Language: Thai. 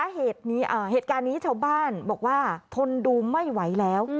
เหตุการณ์นี้ชาวบ้านบอกว่าทนดูไม่ไหวแล้ว